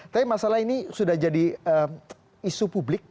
tapi masalah ini sudah jadi isu publik